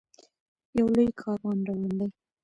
یو لوی کاروان روان دی.